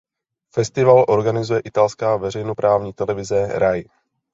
Festival organizuje italská veřejnoprávní televize Rai.